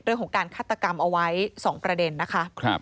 เรื่องของการฆาตกรรมเอาไว้๒ประเด็นนะคะ